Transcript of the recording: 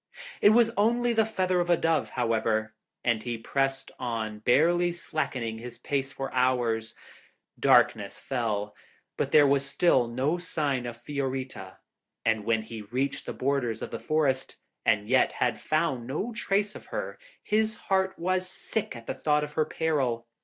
It was only the feather of a dove, however, and he pressed on, barely slackening his pace for hours. Darkness fell, but there was still no sign of Fiorita, and when he reached the borders of the forest, and yet had found no trace of her, his heart was sick at the thought of her peril.